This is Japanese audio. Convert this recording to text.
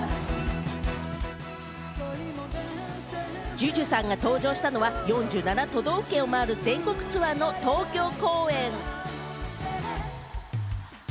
ＪＵＪＵさんが登場したのは、４７都道府県を回る全国ツアーの東京公演。